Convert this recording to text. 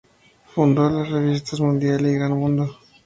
Fundó las revistas "Mundial" y "Gran Mundo".